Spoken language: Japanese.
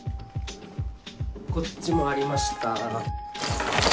こっちもありました。